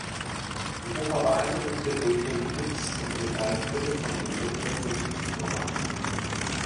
Die Oper beeindruckte durch ihren Witz und durch eine Fülle von gelungenen Musiknummern.